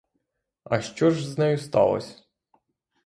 А що ж з нею сталось?